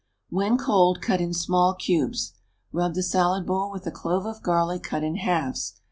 When cold cut in small cubes. Rub the salad bowl with a clove of garlic cut in halves.